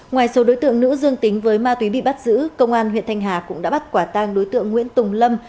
ngoài số đối tượng nữ dương tính với ma túy bị bắt giữ công an huyện thanh hà cũng đã bắt quả tang đối tượng nguyễn tùng lâm